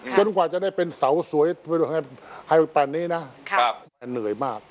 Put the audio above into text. กว่าจะได้เป็นเสาสวยให้ปันนี้นะเหนื่อยมาก